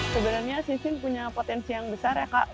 sebenarnya sisin punya potensi yang besar ya kak